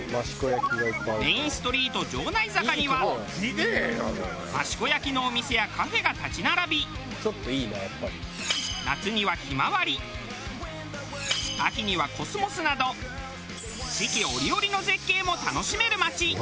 メインストリート城内坂には益子焼のお店やカフェが立ち並び夏にはひまわり秋にはコスモスなど四季折々の絶景も楽しめる町。